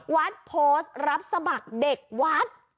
โพสต์รับสมัครเด็กวัด